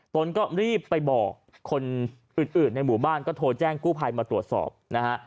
ตนก็รีบไปบอกคนอื่นในหมู่บ้านก็โทรแจ้งกู้ภัยมาตรวจสอบนะฮะ